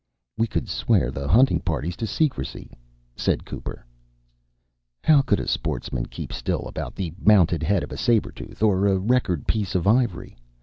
"We could swear the hunting parties to secrecy," said Cooper. "How could a sportsman keep still about the mounted head of a saber tooth or a record piece of ivory?"